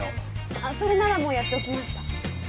あっそれならもうやっておきました。